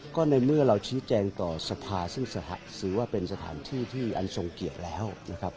ก็ในเมื่อเราชี้แจงต่อสภาซึ่งถือว่าเป็นสถานที่ที่อันทรงเกียรติแล้วนะครับ